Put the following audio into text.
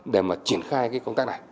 để mà triển khai cái công tác này